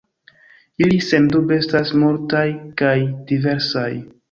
Ili sendube estas multaj kaj diversaj.